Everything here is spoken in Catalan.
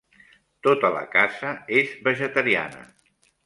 Tota la casa és vegetariana.